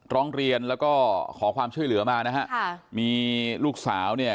ร้องเรียนแล้วก็ขอความช่วยเหลือมานะฮะค่ะมีลูกสาวเนี่ย